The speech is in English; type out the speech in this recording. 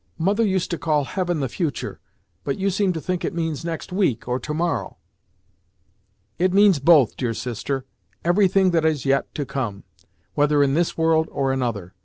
"Mother used to call Heaven the future, but you seem to think it means next week, or to morrow!" "It means both, dear sister every thing that is yet to come, whether in this world or another.